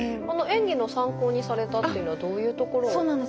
演技の参考にされたっていうのはどういうところを？